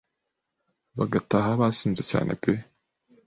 bagataha basinze cyane pe